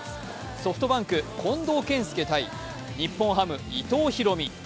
ソフトバンク・近藤健介対日本ハム・伊藤大海。